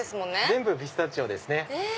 全部ピスタチオですね。